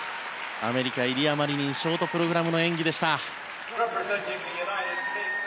アメリカ、イリア・マリニンショートプログラムの演技でした。